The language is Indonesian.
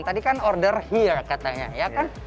tadi kan order iya katanya ya kan